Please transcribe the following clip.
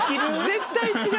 絶対違う。